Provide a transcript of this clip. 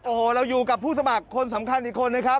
โอ้โหเราอยู่กับผู้สมัครคนสำคัญอีกคนนะครับ